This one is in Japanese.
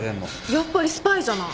やっぱりスパイじゃない。